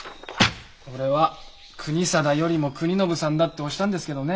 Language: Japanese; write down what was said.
俺は国貞よりも国宣さんだって推したんですけどね。